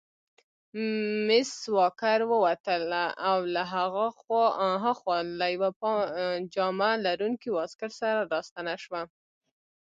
مس واکر ووتله او له هاخوا له یوه پاجامه لرونکي واسکټ سره راستنه شوه.